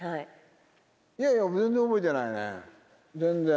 いやいや、全然覚えてないね、全然。